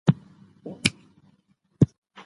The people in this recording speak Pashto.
هر یو یې د اسلام د بڼ یو رنګین ګل و.